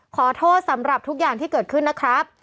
ขอโทษสำหรับทุกอย่างที่เกิดขึ้นนะครับ